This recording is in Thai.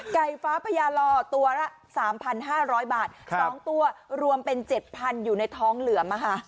ไก่ฟ้าไพยาลอตัวละสามพันห้าหรอบาทครับสองตัวรวมเป็นเจ็ดพันธุ์อยู่ในท้องเหลือมอ่ะฮะ